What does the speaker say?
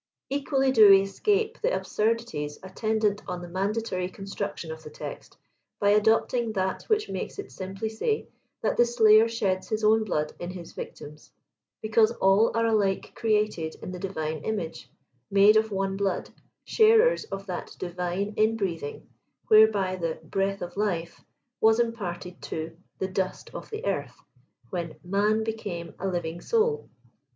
Equally do we escape the absurdities attendant on the man datory construction of the text, by adopting that which makes it simply say that the slayer sheds his own blood in his victim's, because all are alike created in the divine image, made of one blood, sharers of that divine inbreathing whereby the " breath of life" was imparted to "the dust of the earth," when " man became a living soul."